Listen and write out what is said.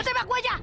ngetembak gue aja